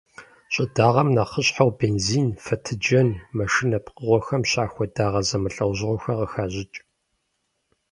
ЩӀыдагъэм нэхъыщхьэу бензин, фэтыджэн, машинэ пкъыгъуэхэм щахуэ дагъэ зэмылӀэужьыгъуэхэр къыхащӀыкӀ.